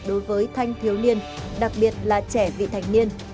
đối với thanh thiếu niên đặc biệt là trẻ vị thành niên